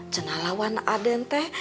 jenalah wan adente